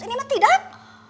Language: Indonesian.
ini mah tidak